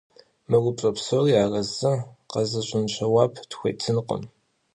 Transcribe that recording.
Мы упщӀэм псори арэзы къэзыщӀын жэуап тхуетынкъым.